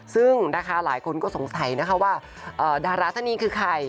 ซึ่งนะคะหลายคนก็สงสัยนะคะว่าดาราท่านนี้คือใคร